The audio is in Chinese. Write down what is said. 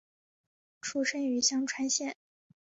出身于香川县。